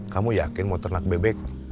kamu yakin mau ternak bebek